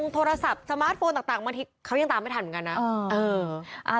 โทรศัพท์สมาร์ทโฟนต่างบางทีเขายังตามไม่ทันเหมือนกันนะ